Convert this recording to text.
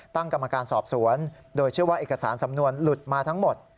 ตั้งกรรมการสอบสวนโดยเชื่อว่าเอกสารสำนวนหลุดมาทั้งหมด